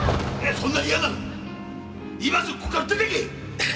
そんなに嫌なら今すぐここから出ていけ！